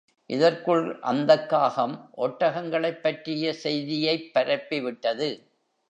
இதற்குள் அந்தக் காகம் ஒட்டகங்களைப் பற்றிய செய்தியைப் பரப்பி விட்டது.